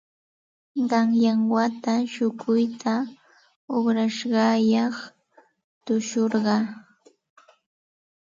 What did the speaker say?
Qanyan wata shukuyta uqrashqayaq tushurqaa.